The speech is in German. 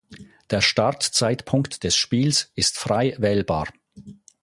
Der Startzeitpunkt des Spiels ist frei wählbar.